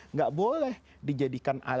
nggak boleh dijadikan alat bayar